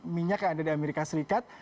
minyak yang ada di amerika serikat